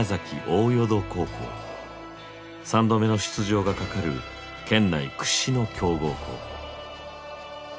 ３度目の出場が懸かる県内屈指の強豪校。